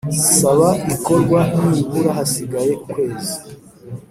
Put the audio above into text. saba rikorwa nibura hasigaye ukwezi